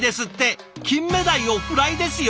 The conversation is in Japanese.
キンメダイをフライですよ。